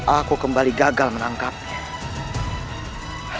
aku kembali gagal menangkapnya